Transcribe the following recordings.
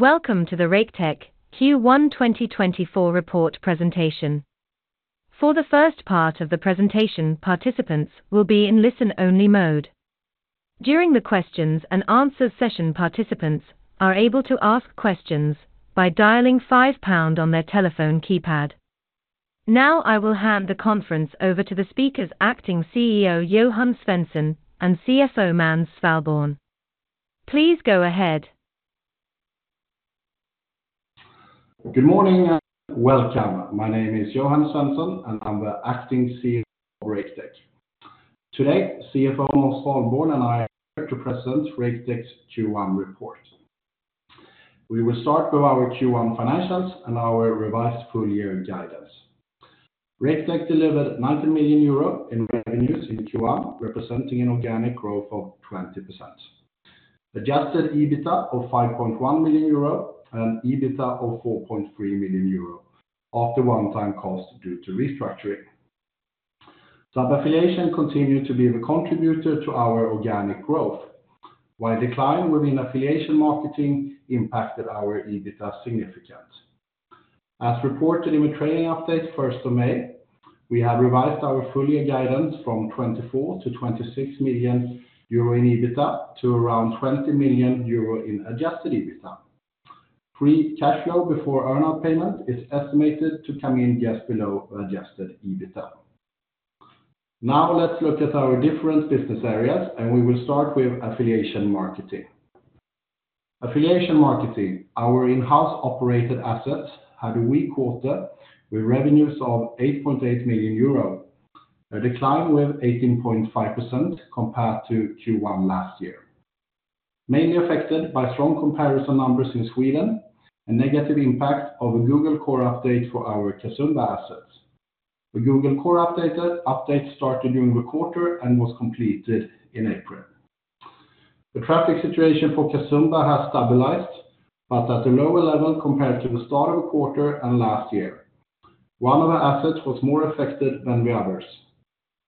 Welcome to the Raketech Q1 2024 Report Presentation. For the first part of the presentation, participants will be in listen-only mode. During the questions and answers session, participants are able to ask questions by dialing five pound on their telephone keypad. Now I will hand the conference over to the speakers Acting CEO Johan Svensson and CFO Måns Svalborn. Please go ahead. Good morning and welcome. My name is Johan Svensson, and I'm the Acting CEO of Raketech. Today, CFO Måns Svalborn and I are here to present Raketech's Q1 report. We will start with our Q1 financials and our revised full-year guidance. Raketech delivered 90 million euro in revenues in Q1, representing an organic growth of 20%. Adjusted EBITDA of 5.1 million euro and EBITDA of 4.3 million euro after one-time cost due to restructuring. Sub-Affiliation continued to be the contributor to our organic growth, while decline within Affiliation Marketing impacted our EBITDA significantly. As reported in the trading update 1st of May, we have revised our full-year guidance from 24 million-26 million euro in EBITDA to around 20 million euro in adjusted EBITDA. Free cash flow before earnout payment is estimated to come in just below adjusted EBITDA. Now let's look at our different business areas, and we will start with Affiliation Marketing. Affiliation Marketing, our in-house operated assets, had a weak quarter with revenues of 8.8 million euro, a decline of 18.5% compared to Q1 last year. Mainly affected by strong comparison numbers in Sweden and negative impact of a Google Core update for our Casumba assets. The Google Core update started during the quarter and was completed in April. The traffic situation for Casumba has stabilized, but at a lower level compared to the start of the quarter and last year. One of the assets was more affected than the others.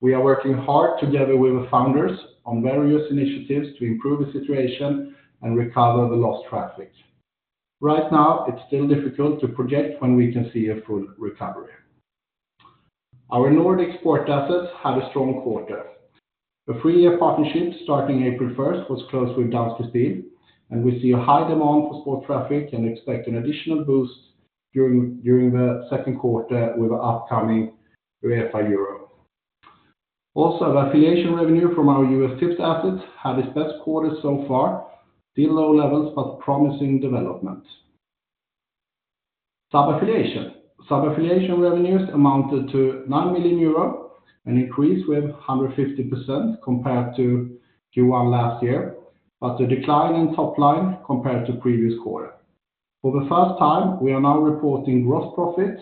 We are working hard together with the founders on various initiatives to improve the situation and recover the lost traffic. Right now, it's still difficult to project when we can see a full recovery. Our Nordic sport assets had a strong quarter. The three-year partnership starting April 1st was closed with Danske Spil, and we see a high demand for sports traffic and expect an additional boost during the second quarter with the upcoming UEFA Euro. Also, the Affiliation revenue from our U.S. tipster assets had its best quarter so far, still low levels but promising development. Sub-Affiliation. Sub-Affiliation revenues amounted to 9 million euro and increased 150% compared to Q1 last year, but a decline in top line compared to previous quarter. For the first time, we are now reporting gross profit,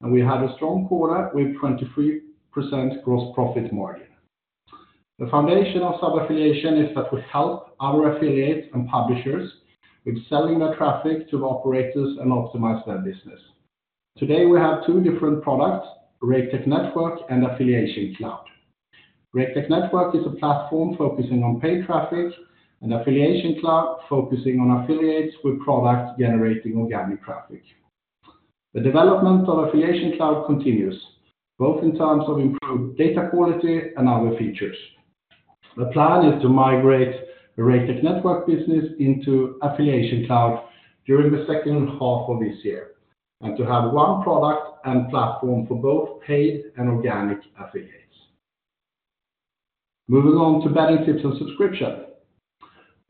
and we had a strong quarter with a 23% gross profit margin. The foundation of Sub-Affiliation is that we help our affiliates and publishers with selling their traffic to the operators and optimize their business. Today, we have two different products, Raketech Network and Affiliation Cloud. Raketech Network is a platform focusing on paid traffic, and Affiliation Cloud focusing on affiliates with product-generating organic traffic. The development of Affiliation Cloud continues, both in terms of improved data quality and other features. The plan is to migrate the Raketech Network business into Affiliation Cloud during the second half of this year and to have one product and platform for both paid and organic affiliates. Moving on to betting tips and subscription.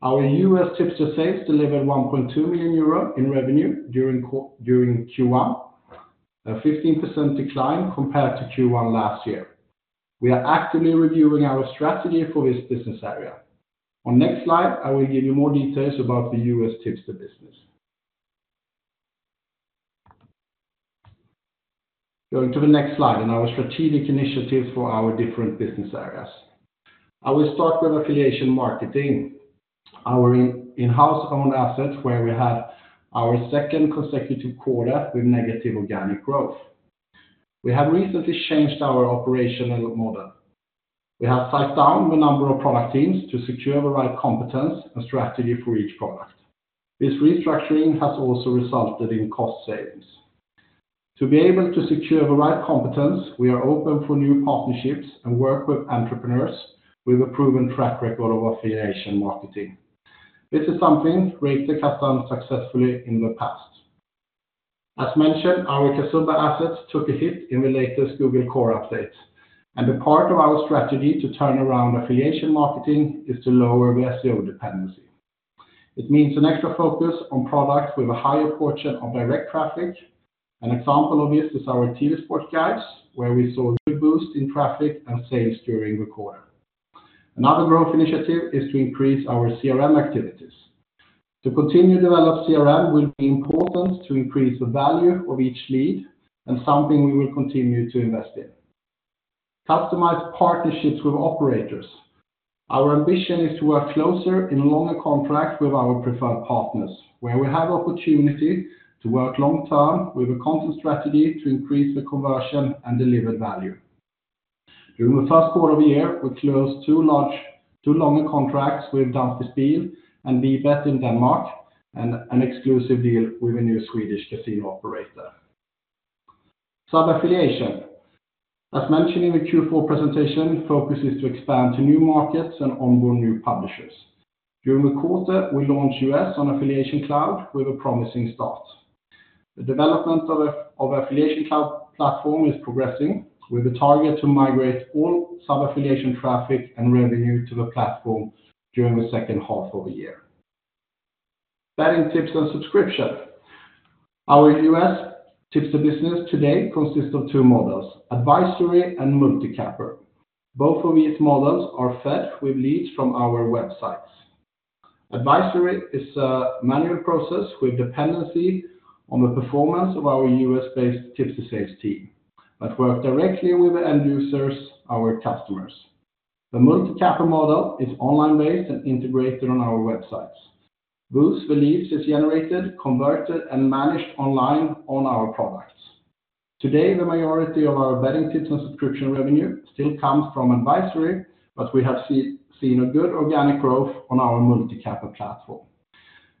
Our U.S. tipster sales delivered 1.2 million euro in revenue during Q1, a 15% decline compared to Q1 last year. We are actively reviewing our strategy for this business area. On next slide, I will give you more details about the U.S. tipster business. Going to the next slide and our strategic initiatives for our different business areas. I will start with Affiliation Marketing, our in-house-owned assets where we had our second consecutive quarter with negative organic growth. We have recently changed our operational model. We have tightened down the number of product teams to secure the right competence and strategy for each product. This restructuring has also resulted in cost savings. To be able to secure the right competence, we are open for new partnerships and work with entrepreneurs with a proven track record of Affiliation Marketing. This is something Raketech has done successfully in the past. As mentioned, our Casumba assets took a hit in the latest Google Core update, and a part of our strategy to turn around Affiliation Marketing is to lower the SEO dependency. It means an extra focus on product with a higher portion of direct traffic. An example of this is our TV Sports Guides, where we saw a good boost in traffic and sales during the quarter. Another growth initiative is to increase our CRM activities. To continue to develop CRM will be important to increase the value of each lead and something we will continue to invest in. Customized partnerships with operators. Our ambition is to work closer in longer contracts with our preferred partners, where we have the opportunity to work long-term with a content strategy to increase the conversion and delivered value. During the first quarter of the year, we closed two longer contracts with Danske Spil and VBET in Denmark and an exclusive deal with a new Swedish casino operator. Sub-Affiliation. As mentioned in the Q4 presentation, the focus is to expand to new markets and onboard new publishers. During the quarter, we launched U.S. on Affiliation Cloud with a promising start. The development of the Affiliation Cloud platform is progressing with a target to migrate all Sub-Affiliation traffic and revenue to the platform during the second half of the year. Betting tips and subscription. Our U.S. tipster business today consists of two models, Advisory and Multi-Capper. Both of these models are fed with leads from our websites. Advisory is a manual process with dependency on the performance of our U.S.-based tipster sales team that work directly with the end users, our customers. The Multi-Capper model is online-based and integrated on our websites. Boosts with leads are generated, converted, and managed online on our products. Today, the majority of our betting tips and subscription revenue still comes from Advisory, but we have seen a good organic growth on our Multi-Capper platform.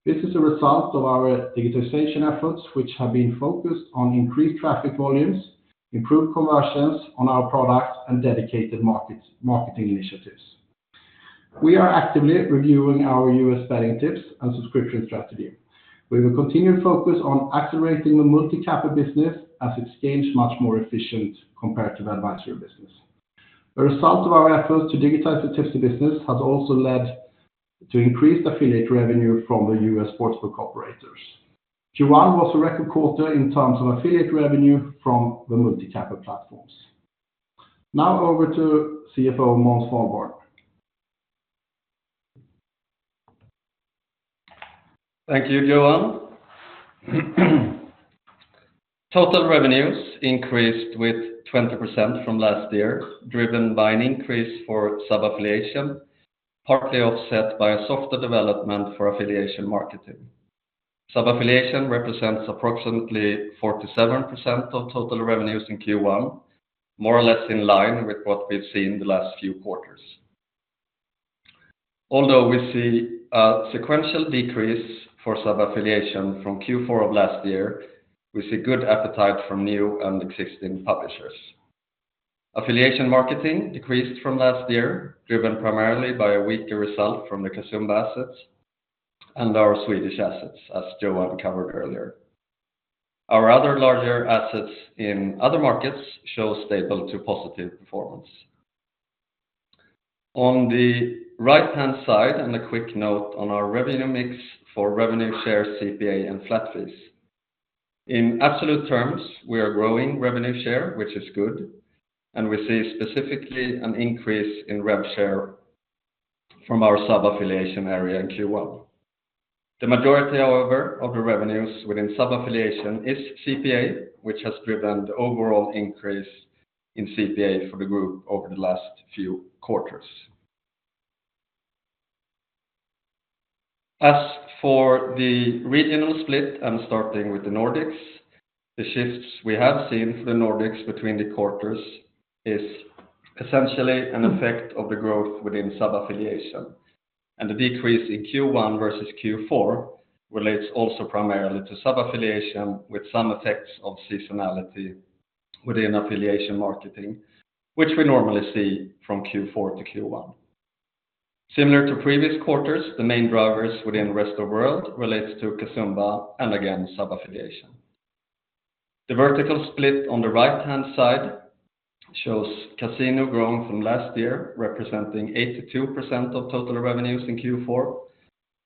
This is a result of our digitization efforts, which have been focused on increased traffic volumes, improved conversions on our products, and dedicated marketing initiatives. We are actively reviewing our U.S. betting tips and subscription strategy. We will continue to focus on accelerating the Multi-Capper business as it's gained much more efficiency compared to the Advisory business. The result of our efforts to digitize the tipster business has also led to increased affiliate revenue from the U.S. sportsbook operators. Q1 was a record quarter in terms of affiliate revenue from the Multi-Capper platforms. Now over to CFO Måns Svalborn. Thank you, Johan. Total revenues increased with 20% from last year, driven by an increase for Sub-Affiliation, partly offset by a softer development for Affiliation Marketing. Sub-Affiliation represents approximately 47% of total revenues in Q1, more or less in line with what we've seen the last few quarters. Although we see a sequential decrease for Sub-Affiliation from Q4 of last year, we see good appetite from new and existing publishers. Affiliation Marketing decreased from last year, driven primarily by a weaker result from the Casumba assets and our Swedish assets, as Johan covered earlier. Our other larger assets in other markets show stable to positive performance. On the right-hand side, a quick note on our revenue mix for revenue share, CPA, and flat fees. In absolute terms, we are growing revenue share, which is good, and we see specifically an increase in revenue share from our Sub-Affiliation area in Q1. The majority, however, of the revenues within Sub-Affiliation is CPA, which has driven the overall increase in CPA for the group over the last few quarters. As for the regional split and starting with the Nordics, the shifts we have seen for the Nordics between the quarters are essentially an effect of the growth within Sub-Affiliation. The decrease in Q1 versus Q4 relates also primarily to Sub-Affiliation, with some effects of seasonality within Affiliation Marketing, which we normally see from Q4-Q1. Similar to previous quarters, the main drivers within the rest of the world relate to Casumba and, again, Sub-Affiliation. The vertical split on the right-hand side shows casino growing from last year, representing 82% of total revenues in Q4.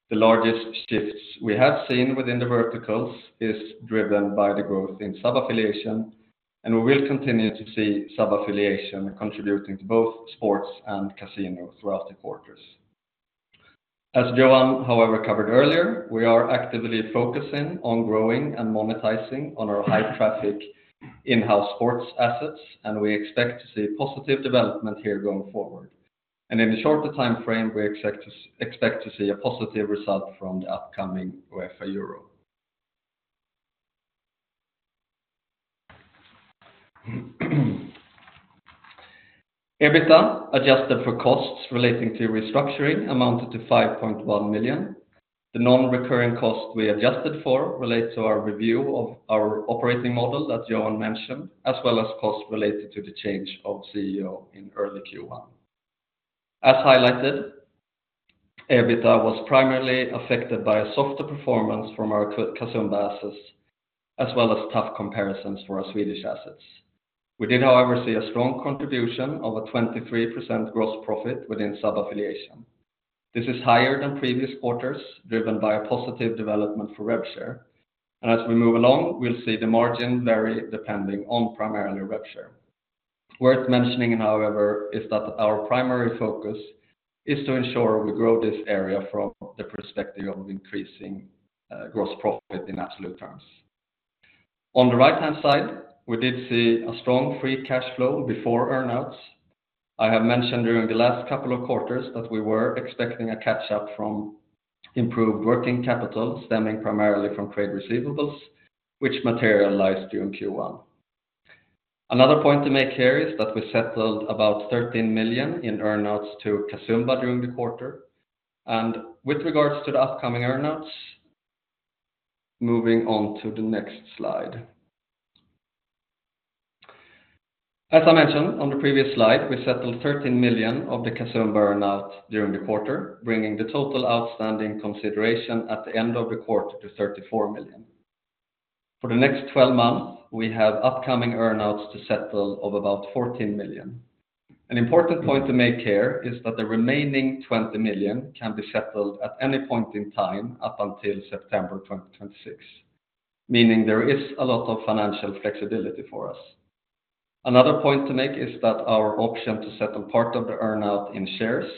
The largest shifts we have seen within the verticals are driven by the growth in Sub-Affiliation, and we will continue to see Sub-Affiliation contributing to both sports and casino throughout the quarters. As Johan, however, covered earlier, we are actively focusing on growing and monetizing on our high-traffic in-house sports assets, and we expect to see positive development here going forward. In the shorter time frame, we expect to see a positive result from the upcoming UEFA Euro. EBITDA adjusted for costs relating to restructuring amounted to 5.1 million. The non-recurring cost we adjusted for relates to our review of our operating model that Johan mentioned, as well as costs related to the change of CEO in early Q1. As highlighted, EBITDA was primarily affected by a softer performance from our Casumba assets, as well as tough comparisons for our Swedish assets. We did, however, see a strong contribution of a 23% gross profit within Sub-Affiliation. This is higher than previous quarters, driven by a positive development for revenue share. As we move along, we'll see the margin vary depending on primarily revenue share. Worth mentioning, however, is that our primary focus is to ensure we grow this area from the perspective of increasing gross profit in absolute terms. On the right-hand side, we did see a strong free cash flow before earnouts. I have mentioned during the last couple of quarters that we were expecting a catch-up from improved working capital stemming primarily from trade receivables, which materialized during Q1. Another point to make here is that we settled about 13 million in earnouts to Casumba during the quarter. With regards to the upcoming earnouts, moving on to the next slide. As I mentioned on the previous slide, we settled 13 million of the Casumba earnout during the quarter, bringing the total outstanding consideration at the end of the quarter to 34 million. For the next 12 months, we have upcoming earnouts to settle of about 14 million. An important point to make here is that the remaining 20 million can be settled at any point in time up until September 2026, meaning there is a lot of financial flexibility for us. Another point to make is that our option to settle part of the earnout in shares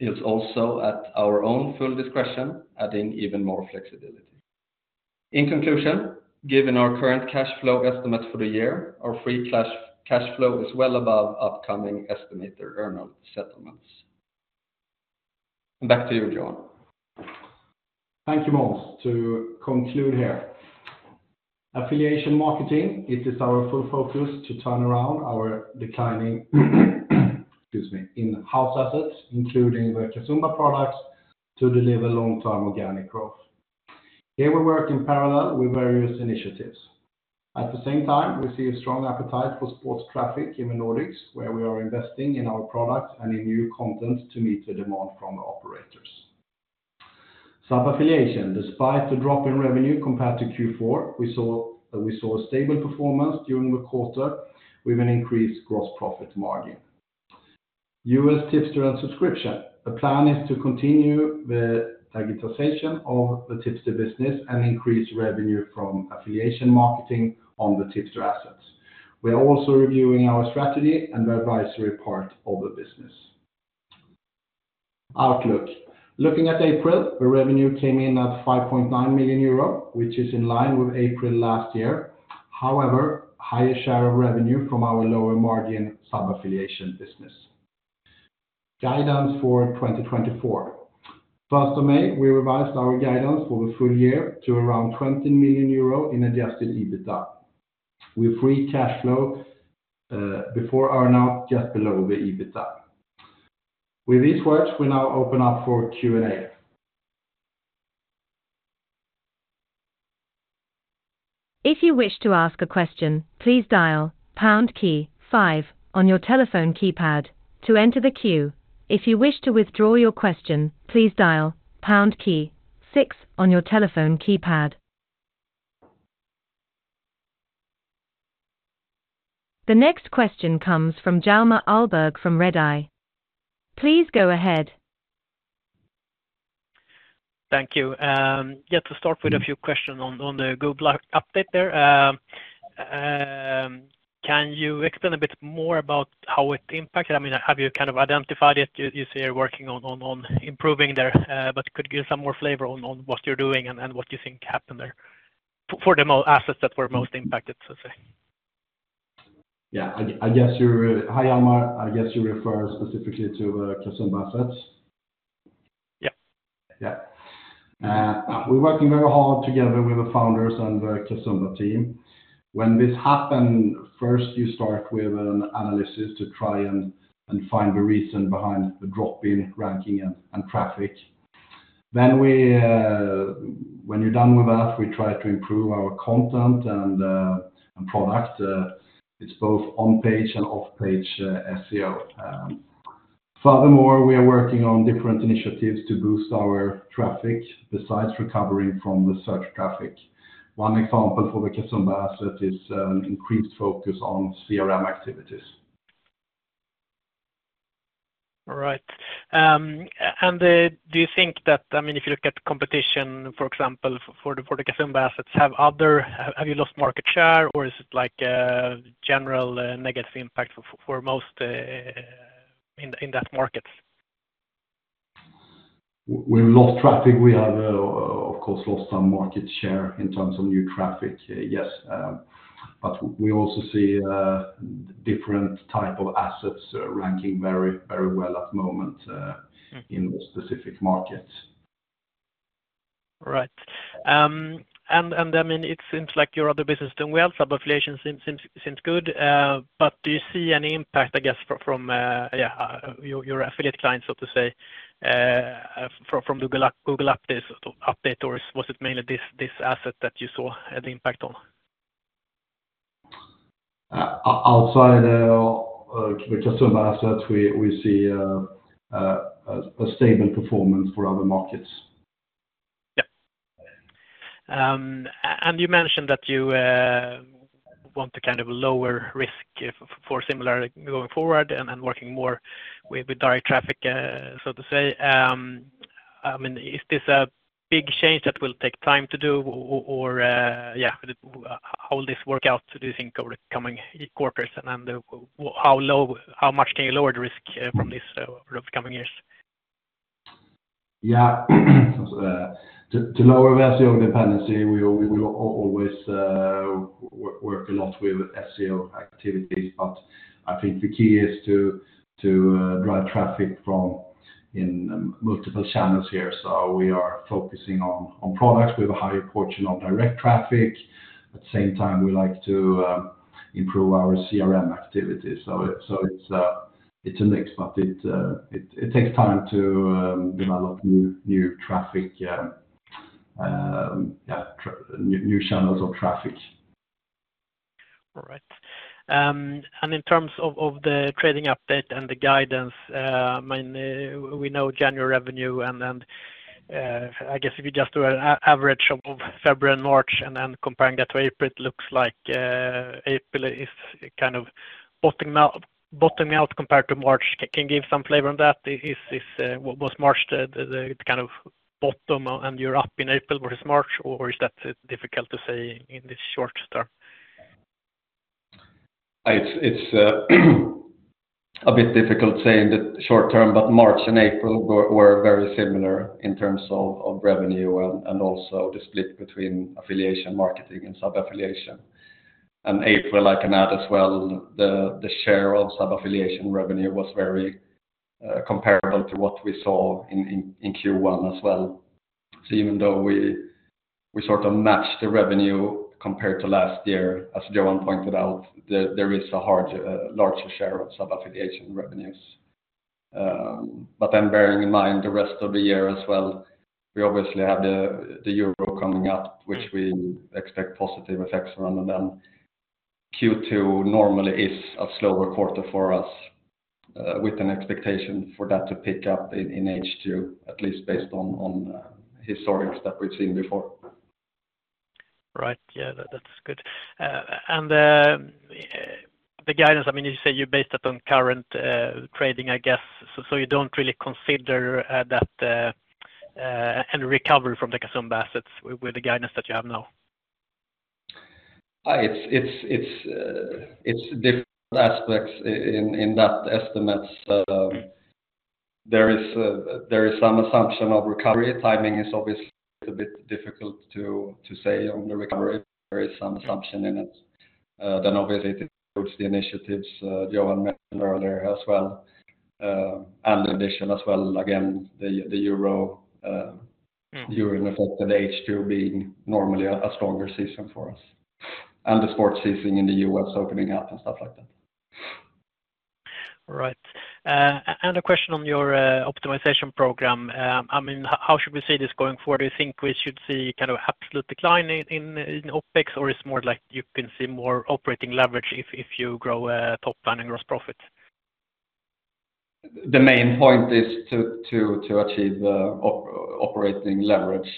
is also at our own full discretion, adding even more flexibility. In conclusion, given our current cash flow estimate for the year, our free cash flow is well above upcoming estimated earnout settlements. Back to you, Johan. Thank you, Måns, to conclude here. Affiliation Marketing, it is our full focus to turn around our declining in-house assets, including the Casumba products, to deliver long-term organic growth. Here we work in parallel with various initiatives. At the same time, we see a strong appetite for sports traffic in the Nordics, where we are investing in our products and in new content to meet the demand from the operators. Sub-Affiliation, despite the drop in revenue compared to Q4, we saw a stable performance during the quarter with an increased gross profit margin. U.S. tipster and subscription. The plan is to continue the digitization of the tipster business and increase revenue from Affiliation Marketing on the tipster assets. We are also reviewing our strategy and the advisory part of the business. Outlook. Looking at April, the revenue came in at 5.9 million euro, which is in line with April last year. However, higher share of revenue from our lower-margin Sub-Affiliation business. Guidance for 2024. First of May, we revised our guidance for the full year to around 20 million euro in adjusted EBITDA with free cash flow before earnout, just below the EBITDA. With these words, we now open up for Q&A. If you wish to ask a question, please dial pound key five on your telephone keypad to enter the queue. If you wish to withdraw your question, please dial pound key six on your telephone keypad. The next question comes from Hjalmar Ahlberg from Redeye. Please go ahead. Thank you. Yeah, to start with a few questions on the Google update there. Can you explain a bit more about how it impacted? I mean, have you kind of identified it? You say you're working on improving there, but could you give some more flavor on what you're doing and what you think happened there for the assets that were most impacted, so to say? Yeah. Hi, Hjalmar. I guess you refer specifically to the Casumba assets? Yep. Yeah. We're working very hard together with the founders and the Casumba team. When this happened, first you start with an analysis to try and find the reason behind the drop in ranking and traffic. When you're done with that, we try to improve our content and product. It's both on-page and off-page SEO. Furthermore, we are working on different initiatives to boost our traffic besides recovering from the search traffic. One example for the Casumba asset is an increased focus on CRM activities. All right. Do you think that, I mean, if you look at competition, for example, for the Casumba assets, have you lost market share, or is it a general negative impact for most in that market? We've lost traffic. We have, of course, lost some market share in terms of new traffic, yes. But we also see different types of assets ranking very, very well at the moment in those specific markets. All right. And, I mean, it seems like your other business doing well, Sub-Affiliation seems good. But do you see any impact, I guess, from your affiliate clients, so to say, from Google Update? Or was it mainly this asset that you saw the impact on? Outside the Casumba asset, we see a stable performance for other markets. Yeah. And you mentioned that you want to kind of lower risk for similar going forward and working more with direct traffic, so to say. I mean, is this a big change that will take time to do? Or, yeah, how will this work out, do you think, over the coming quarters? And how much can you lower the risk from this over the coming years? Yeah. To lower the SEO dependency, we will always work a lot with SEO activities. But I think the key is to drive traffic from multiple channels here. So we are focusing on products with a higher portion of direct traffic. At the same time, we like to improve our CRM activities. So it's a mix, but it takes time to develop new channels of traffic. All right. In terms of the trading update and the guidance, I mean, we know January revenue. I guess if you just do an average of February and March and then comparing that to April, it looks like April is kind of bottoming out compared to March. Can you give some flavor on that? Was March the kind of bottom, and you're up in April versus March? Or is that difficult to say in the short term? It's a bit difficult saying the short term, but March and April were very similar in terms of revenue and also the split between Affiliation Marketing and Sub-Affiliation. April, I can add as well, the share of Sub-Affiliation revenue was very comparable to what we saw in Q1 as well. So even though we sort of matched the revenue compared to last year, as Johan pointed out, there is a larger share of Sub-Affiliation revenues. But then bearing in mind the rest of the year as well, we obviously have the Euro coming up, which we expect positive effects from. And then Q2 normally is a slower quarter for us, with an expectation for that to pick up in H2, at least based on historics that we've seen before. Right. Yeah, that's good. And the guidance, I mean, you say you based it on current trading, I guess, so you don't really consider that and recover from the Casumba assets with the guidance that you have now? It's different aspects in that estimates. There is some assumption of recovery. Timing is obviously a bit difficult to say on the recovery. There is some assumption in it. Then, obviously, it includes the initiatives Johan mentioned earlier as well. The addition as well, again, the euro effect and the H2 being normally a stronger season for us. The sports season in the U.S. opening up and stuff like that. All right. A question on your optimization program. I mean, how should we see this going forward? Do you think we should see kind of absolute decline in OpEx, or is it more like you can see more operating leverage if you grow top line and gross profit? The main point is to achieve operating leverage.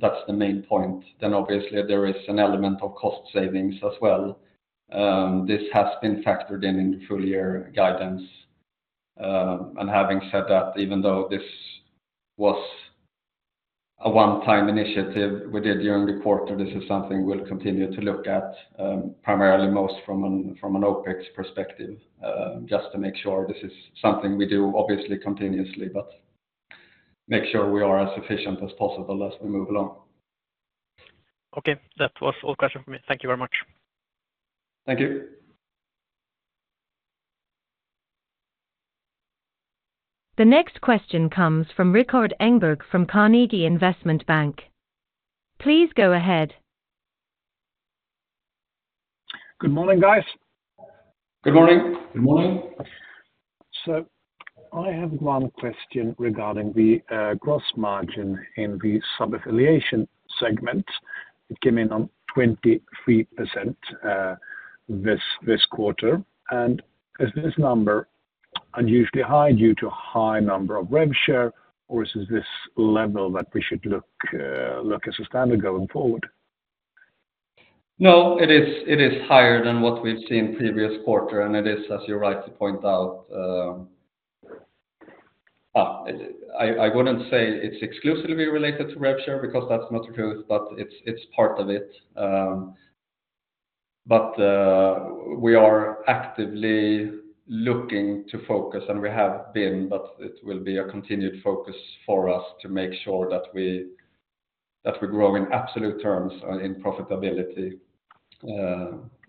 That's the main point. Then, obviously, there is an element of cost savings as well. This has been factored in in the full-year guidance. And having said that, even though this was a one-time initiative we did during the quarter, this is something we'll continue to look at, primarily most from an OpEx perspective, just to make sure this is something we do, obviously, continuously, but make sure we are as efficient as possible as we move along. Okay. That was all the questions for me. Thank you very much. Thank you. The next question comes from Rikard Engberg from Carnegie Investment Bank. Please go ahead. Good morning, guys. Good morning. Good morning. I have one question regarding the gross margin in the Sub-Affiliation segment. It came in on 23% this quarter. Is this number unusually high due to a high number of revenue share, or is it this level that we should look at as a standard going forward? No, it is higher than what we've seen previous quarter. It is, as you're right to point out, I wouldn't say it's exclusively related to revenue share because that's not the truth, but it's part of it. We are actively looking to focus, and we have been, but it will be a continued focus for us to make sure that we grow in absolute terms in profitability.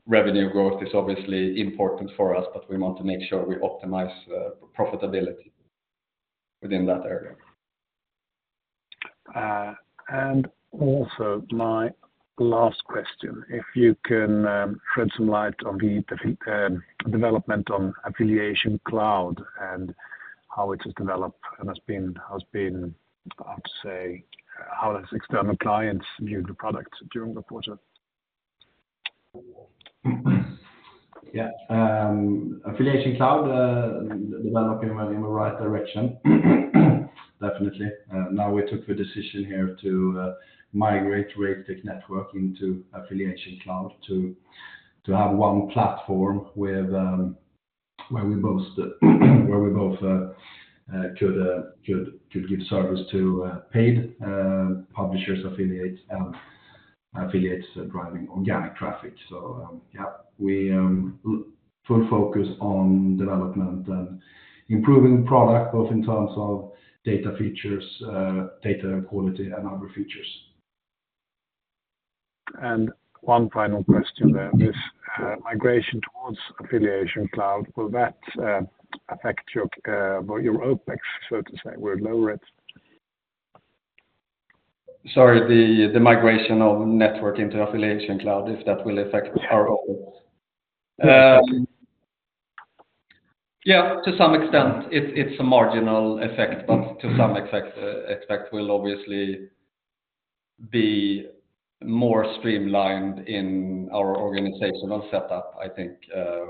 Revenue growth is obviously important for us, but we want to make sure we optimize profitability within that area. Also, my last question, if you can shed some light on the development on Affiliation Cloud and how it has developed and has been, how to say, how does external clients view the product during the quarter? Yeah. Affiliation Cloud developing in the right direction, definitely. Now, we took the decision here to migrate Raketech Network into Affiliation Cloud to have one platform where we both could give service to paid publishers, affiliates, and affiliates driving organic traffic. So yeah, we full focus on development and improving product, both in terms of data features, data quality, and other features. One final question there. This migration towards Affiliation Cloud, will that affect your OpEx, so to say, or lower it? Sorry, the migration of network into Affiliation Cloud, if that will affect our OpEx? Yeah, to some extent, it's a marginal effect, but to some effect, it will obviously be more streamlined in our organizational setup, I think,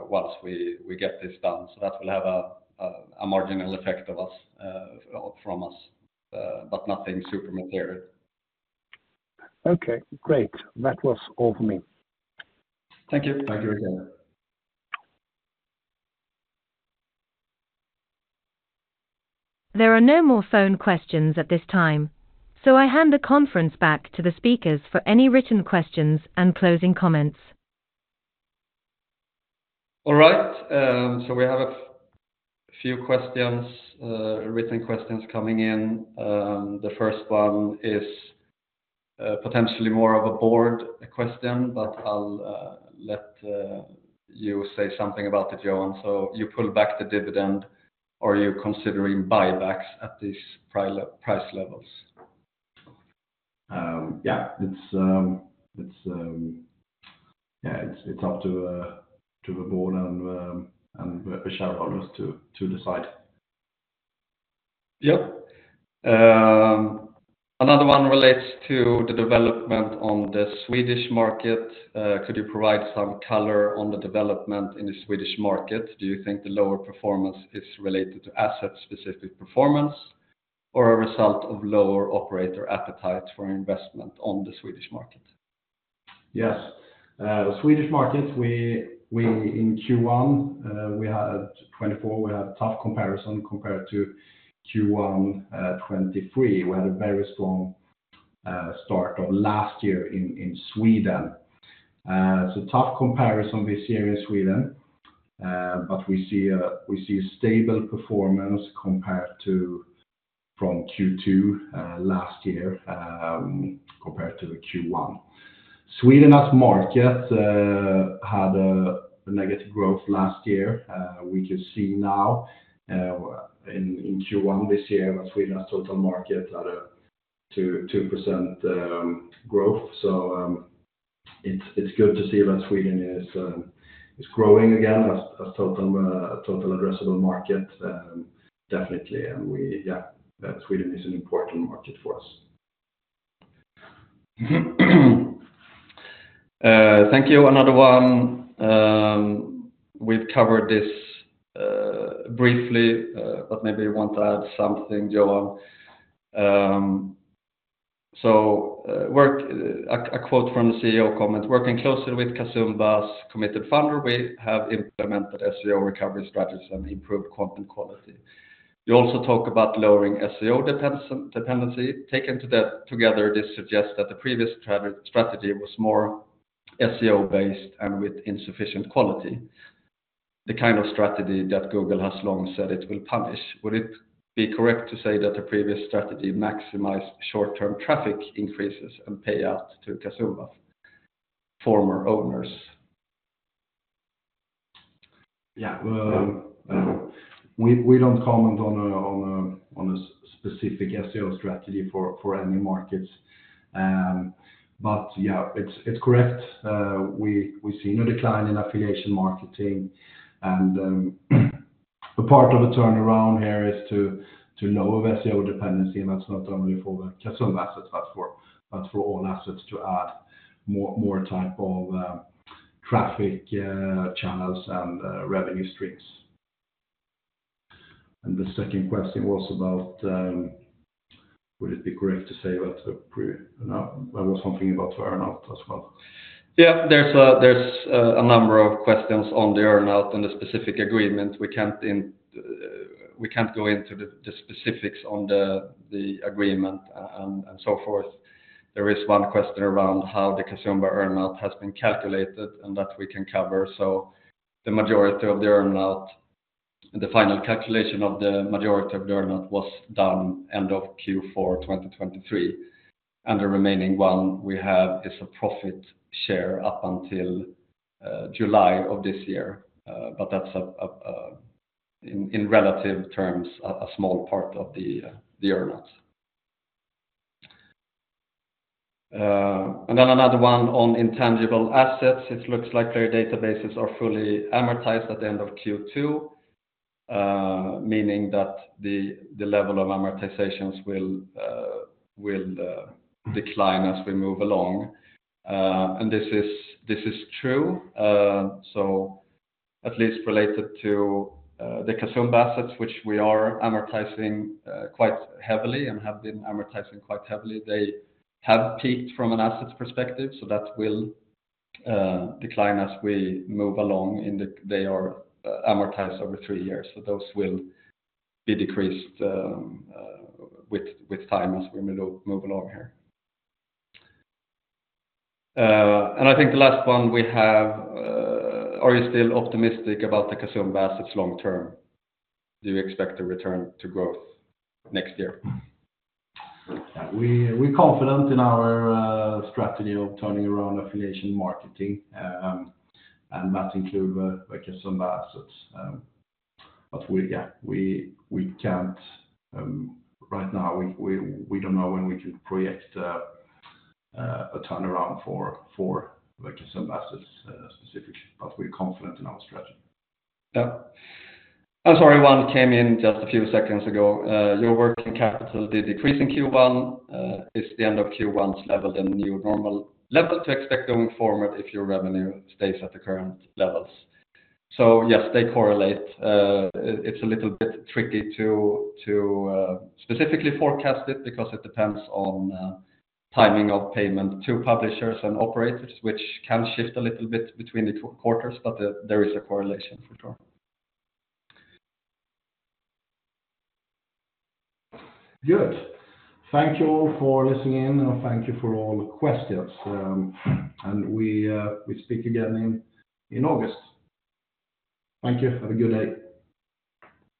once we get this done. So that will have a marginal effect from us, but nothing super material. Okay. Great. That was all from me. Thank you. Thank you again. There are no more phone questions at this time, so I hand the conference back to the speakers for any written questions and closing comments. All right. So we have a few written questions coming in. The first one is potentially more of a board question, but I'll let you say something about it, Johan. So you pull back the dividend, or are you considering buybacks at these price levels? Yeah. Yeah, it's up to the board and the shareholders to decide. Yep. Another one relates to the development on the Swedish market. Could you provide some color on the development in the Swedish market? Do you think the lower performance is related to asset-specific performance or a result of lower operator appetite for investment on the Swedish market? Yes. Swedish market, in Q1, we had 2024. We had a tough comparison compared to Q1 2023. We had a very strong start of last year in Sweden. So tough comparison this year in Sweden, but we see stable performance compared to Q2 last year compared to Q1. Sweden as market had a negative growth last year. We can see now in Q1 this year that Sweden as total market had a 2% growth. So it's good to see that Sweden is growing again as total addressable market, definitely. And yeah, Sweden is an important market for us. Thank you. Another one. We've covered this briefly, but maybe you want to add something, Johan. So a quote from the CEO comment: "Working closely with Casumba's committed founder, we have implemented SEO recovery strategies and improved content quality." You also talk about lowering SEO dependency. Taken together, this suggests that the previous strategy was more SEO-based and with insufficient quality, the kind of strategy that Google has long said it will punish. Would it be correct to say that the previous strategy maximized short-term traffic increases and payout to Casumba's former owners? Yeah. We don't comment on a specific SEO strategy for any markets. But yeah, it's correct. We see no decline in Affiliation Marketing. And a part of the turnaround here is to lower SEO dependency, and that's not only for the Casumba assets, but for all assets to add more type of traffic channels and revenue streams. And the second question was about would it be correct to say that there was something about the earnout as well? Yeah, there's a number of questions on the earnout and the specific agreement. We can't go into the specifics on the agreement and so forth. There is one question around how the Casumba earnout has been calculated and that we can cover. So the majority of the earnout, the final calculation of the majority of the earnout was done end of Q4 2023. And the remaining one we have is a profit share up until July of this year. But that's, in relative terms, a small part of the earnout. And then another one on intangible assets. It looks like their databases are fully amortized at the end of Q2, meaning that the level of amortizations will decline as we move along. This is true, so at least related to the Casumba assets, which we are amortizing quite heavily and have been amortizing quite heavily, they have peaked from an assets perspective. So that will decline as we move along. They are amortized over three years. So those will be decreased with time as we move along here. I think the last one we have, are you still optimistic about the Casumba assets long term? Do you expect a return to growth next year? We're confident in our strategy of turning around Affiliation Marketing, and that includes the Casumba assets. But yeah, right now, we don't know when we can project a turnaround for the Casumba assets specifically, but we're confident in our strategy. Yeah. I'm sorry, one came in just a few seconds ago. Your working capital did decrease in Q1. Is the end of Q1's level the new normal level to expect going forward if your revenue stays at the current levels? So yes, they correlate. It's a little bit tricky to specifically forecast it because it depends on timing of payment to publishers and operators, which can shift a little bit between the quarters, but there is a correlation for sure. Good. Thank you all for listening in, and thank you for all questions. We speak again in August. Thank you. Have a good day.